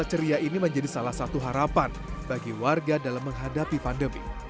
rasa ceria ini menjadi salah satu harapan bagi warga dalam menghadapi pandemi